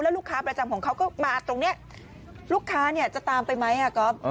แล้วลูกค้าประจำของเค้าก็มาตรงเนี้ยลูกค้าเนี้ยจะตามไปไหมอ่ะก๊อบ